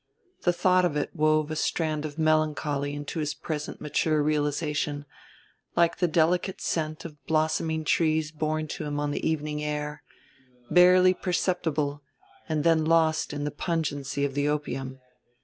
The thought of it wove a strand of melancholy into his present mature realization like the delicate scent of blossoming trees borne to him on the evening air, barely perceptible and then lost in the pungency of the opium.